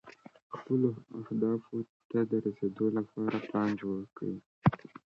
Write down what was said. خپلو اهدافو ته د رسېدو لپاره پلان جوړ کړئ.